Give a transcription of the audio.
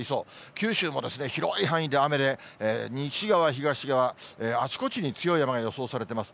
九州も広い範囲で長い時間、雨で、西側、東側、あちこちに強い雨が予想されてます。